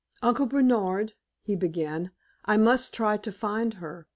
"Uncle Bernard," he began, "I must try to find her.